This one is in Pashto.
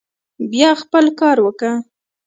بيا خپل کار وکه.